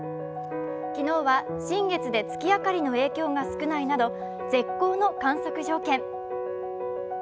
昨日は新月で月明かりの影響が少ないなど絶好の観測条件。